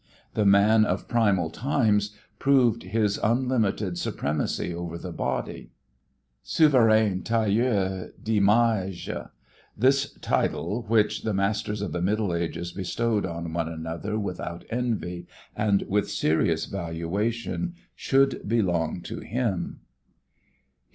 "The Man of Primal Times" proved his unlimited supremacy over the body. "Souverain tailleur d'ymaiges" this title, which the masters of the Middle Ages bestowed on one another without envy and with serious valuation, should belong to him.